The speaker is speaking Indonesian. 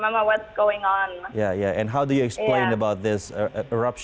mereka tahu tentang gunung agung dan situasi itu dan saya menjelaskan bahwa ada erupsi